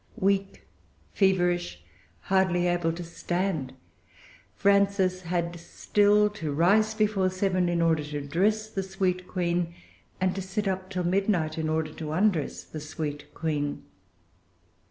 Weak, feverish, hardly able to stand, Frances had still to rise before seven, in order to dress the sweet Queen, and to sit up till midnight, in order to undress the sweet Queen.